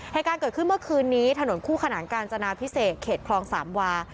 เหตุการณ์เกิดขึ้นเมื่อคืนนี้ถนนคู่ขนานกาญจนาพิเศษเขตคลองสามวา